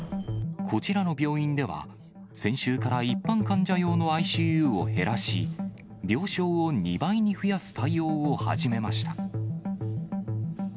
こちらの病院では、先週から一般患者用のＩＣＵを減らし、病床を２倍に増やす対応を始めました。